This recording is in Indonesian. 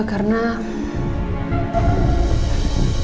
oh kenapa diselidiki ibu